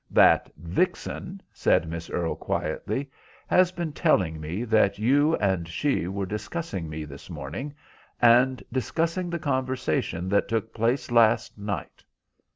"That vixen," said Miss Earle, quietly, "has been telling me that you and she were discussing me this morning, and discussing the conversation that took place last night."